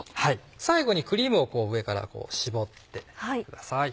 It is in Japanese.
最後にクリームを上から絞ってください。